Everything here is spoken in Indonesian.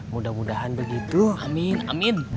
mudah mudahan begitu amin amin